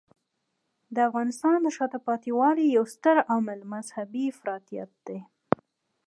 د افغانستان د شاته پاتې والي یو ستر عامل مذهبی افراطیت دی.